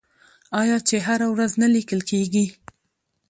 آیا چې هره ورځ نه لیکل کیږي؟